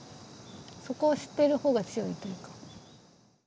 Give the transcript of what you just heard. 底を知っている方が強いというか。